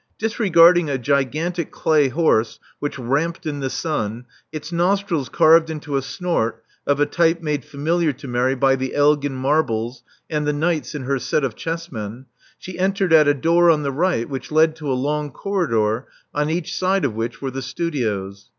Disregarding a gigantic Love Among the Artists 383 clay horse which ramped in the sun, its nostrils carved into a snort of a type made familiar to Mary by the Elgin marbles and the knights in her set of chessmen, she entered at a door on the right which led to a long corridor, on each side of which were the studios.